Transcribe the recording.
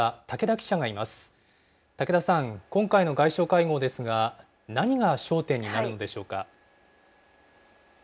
竹田さん、今回の外相会合ですが、何が焦点になるのでしょうか。